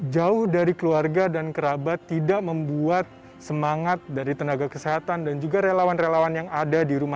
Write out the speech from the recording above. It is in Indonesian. jauh dari keluarga dan kerabat tidak membuat semangat dari tenaga kesehatan dan juga relawan relawan yang ada di rumah